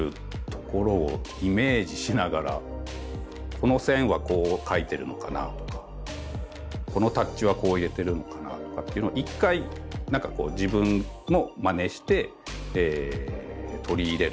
この線はこう描いてるのかなとかこのタッチはこう入れてるのかなとかっていうのを一回何か自分もまねして取り入れるみたいな。